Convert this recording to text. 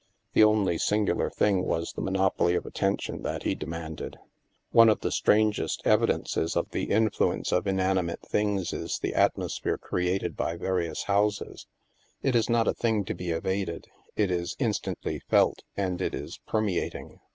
The only singular thing was the monopoly of attention that he demanded. One of the strangest evidences of the influence 42 THE MASK of inanimate things is the atmosphere created by va rious houses. It is not a thing to be evaded ; it is instantly felt, and it is permeating.